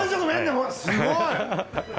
すごい！